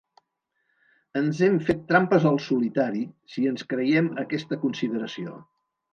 Ens hem fet trampes al solitari si ens creiem aquesta consideració.